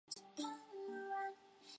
原来有一堆人都在楼下餐厅吃